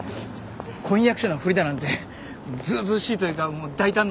婚約者のふりだなんてずうずうしいというかもう大胆なお願いを。